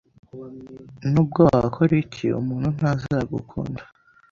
Nubwo wakora iki, umuntu ntazagukunda.